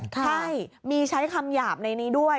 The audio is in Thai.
ใช่มีใช้คำหยาบในนี้ด้วย